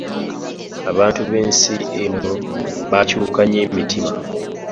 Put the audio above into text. Abantu b'ensi eno bakyuka nnyo emitima.